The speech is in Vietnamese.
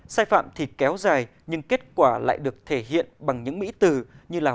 sai phạm thì kéo dài nhưng kết quả lại được thể hiện bằng những mỹ từ như là